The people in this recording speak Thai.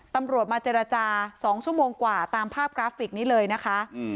ตำรวจมาเจรจา๒ชั่วโมงกว่าตามภาพกราฟิกนี้เลยนะคะ